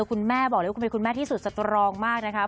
คุณแม่บอกเลยว่าคุณเป็นคุณแม่ที่สุดสตรองมากนะคะ